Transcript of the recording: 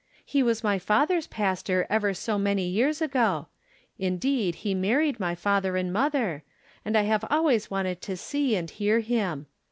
"He was my father's pastor ever so many years ago ; indeed, he married my father and mother, and I have always wanted to see and hear him.